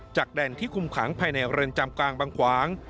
แดนที่คุมขังภายในเรือนจำกลางบางขวาง